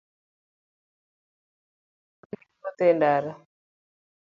Anenogi kagi wuotho e ndara.